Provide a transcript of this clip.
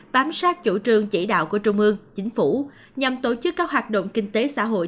bám sát chủ trương chỉ đạo của trung ương chính phủ nhằm tổ chức các hoạt động kinh tế xã hội